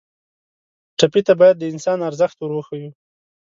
ټپي ته باید د انسان ارزښت ور وښیو.